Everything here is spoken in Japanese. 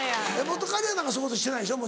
本仮屋なんかそういうことしてないでしょ？